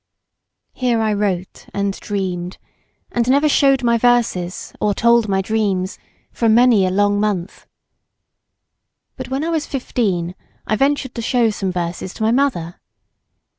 Here I wrote and dreamed, and never showed my verses or told my dreams for many a long month. But when I was fifteen I ventured to show some verses to my mother.